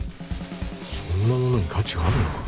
そんなものに価値があるのか？